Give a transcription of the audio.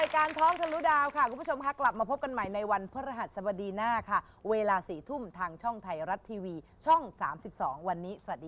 ขอบคุณนะคะทำยิ้มหน่อยยิ้มใหญ่